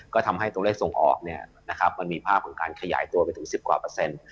ก็ทำให้ตัวเลขส่งออกมีภาพของการขยายตัวไปถึง๑๐กว่าเปอร์เซ็นต์